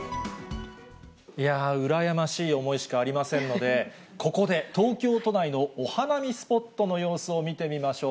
羨ましい思いしかありませんので、ここで東京都内のお花見スポットの様子を見てみましょう。